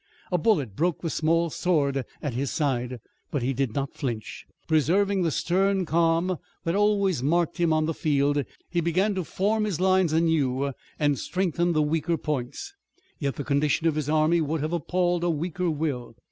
A bullet broke the small sword at his side, but he did not flinch. Preserving the stern calm that always marked him on the field he began to form his lines anew and strengthen the weaker points. Yet the condition of his army would have appalled a weaker will.